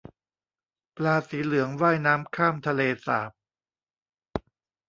ปลาสีเหลืองว่ายน้ำข้ามทะเลสาบ